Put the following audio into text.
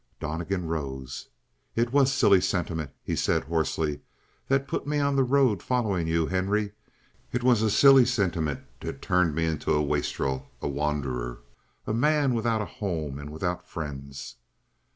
Donnegan rose. "It was a silly sentiment," he said hoarsely, "that put me on the road following you, Henry. It was a silly sentiment that turned me into a wastrel, a wanderer, a man without a home and without friends."